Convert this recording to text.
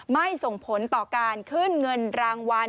ไม่ส่งผลต่อการขึ้นเงินรางวัล